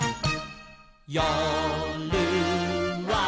「よるは」